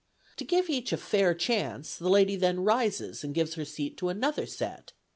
To give each a fair chance, the lady then rises and gives her seat to another set.